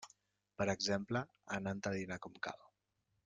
Per exemple, anant a dinar com cal.